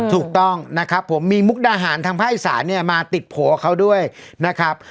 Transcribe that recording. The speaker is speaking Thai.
ถูกต้องนะครับผมมีมุกดาหารทางภาคอีสานเนี่ยมาติดโผล่กับเขาด้วยนะครับ